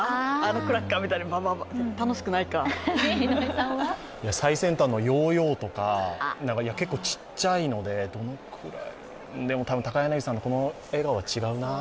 クラッカーみたいに最先端のヨーヨーとか結構ちっちゃいので、どのくらいでも高柳さんのこの笑顔は違うな。